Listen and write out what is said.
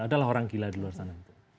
ada lah orang gila di luar sana